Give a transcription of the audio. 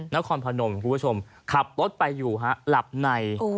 นครพนมคุณผู้ชมขับรถไปอยู่ฮะหลับใน